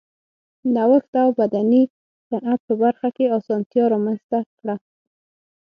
نوښت د اوبدنې صنعت په برخه کې اسانتیا رامنځته کړه.